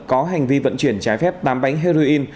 có hành vi vận chuyển trái phép tám bánh heroin